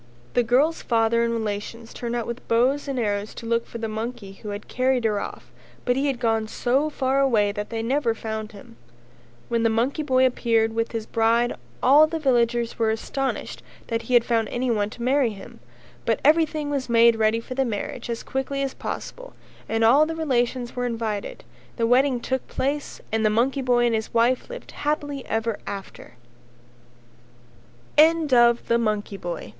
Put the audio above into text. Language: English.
The girl's father and relations turned out with bows and arrows to look for the monkey who had carried her off but he had gone so far away that they never found him. When the monkey boy appeared with his bride all the villagers were astonished that he had found anyone to marry him, but everything was made ready for the marriage as quickly as possible and all the relations were invited and the wedding took place and the monkey boy and his wife lived happily ever after.